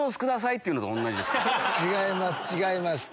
違います